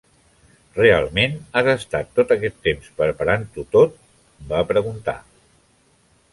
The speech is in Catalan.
"Realment has estat tot aquest temps preparant-ho tot?" va preguntar.